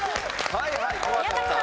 はいはい怖かった。